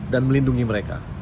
dan melindungi mereka